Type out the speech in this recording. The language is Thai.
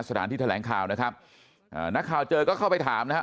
สถานที่แถลงข่าวนะครับอ่านักข่าวเจอก็เข้าไปถามนะฮะ